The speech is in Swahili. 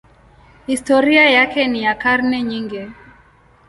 Historia yake ni ya karne nyingi.